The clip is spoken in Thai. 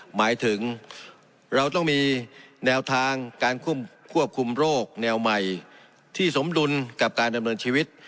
หมายถึงเราต้องมีแนวทางการควบคุมโรคแนวใหม่ที่สมดุลกับการดำเนินชีวิต